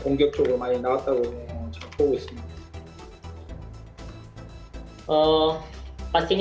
saya juga menarik dari thailand